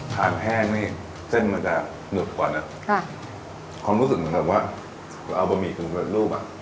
ทานแห้งนี่เส้นมันจะหนึบกว่านะค่ะความรู้สึกเหมือนแบบว่าเอาบะหมี่ถึงเปิดรูปอ่ะ